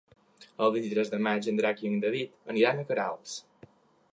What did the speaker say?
El vint-i-tres de maig en Drac i en David aniran a Queralbs.